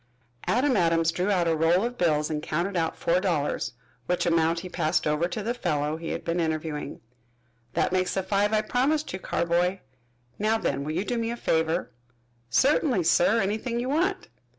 Adam Adams drew out a roll of bills and counted out four dollars, which amount he passed over to the fellow he had been interviewing. "That makes the five I promised you, Carboy. Now then, will you do me a favor?" "Certainly, sir, anything you want."